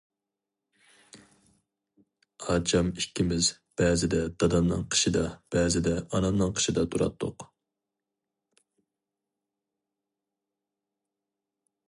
ئاچام ئىككىمىز بەزىدە دادامنىڭ قېشىدا بەزىدە ئانامنىڭ قېشىدا تۇراتتۇق.